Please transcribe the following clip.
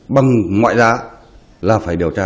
bằng ngoại giá là phải điều tra